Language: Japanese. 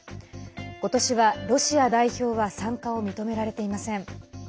ことしは、ロシア代表は参加を認められていません。